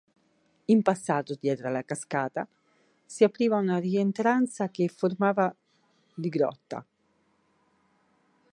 In passato dietro alla cascata si apriva una rientranza che formava di grotta.